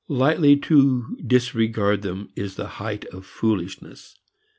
Lightly to disregard them is the height of foolishness.